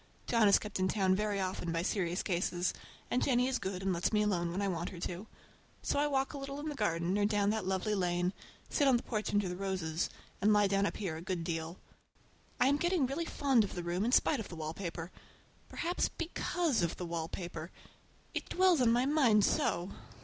John is kept in town very often by serious cases, and Jennie is good and lets me alone when I want her to. So I walk a little in the garden or down that lovely lane, sit on the porch under the roses, and lie down up here a good deal. I'm getting really fond of the room in spite of the wallpaper. Perhaps because of the wallpaper. It dwells in my mind so!